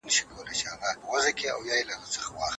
ما ته په ډېر دقت سره غوږ ونیسه.